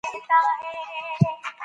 انسان بدن ویټامن ډي زېرمه کولای شي.